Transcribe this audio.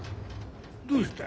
どうした？